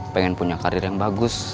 pengen punya karir yang bagus